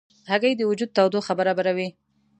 هګۍ د وجود تودوخه برابروي.